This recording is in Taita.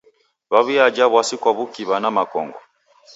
W'aw'iaja w'asi kwa w'ukiw'a na makongo.